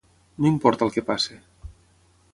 No importa el que passe.